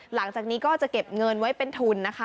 หลังจากนี้ก็จะเก็บเงินไว้เป็นทุนนะคะ